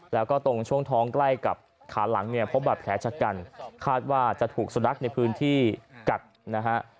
แล้วก็ตรงช่วงท้องใกล้กับขาหลังเนี่ยพบบาดแผลชะกันคาดว่าจะถูกสุนัขในพื้นที่กัดนะฮะ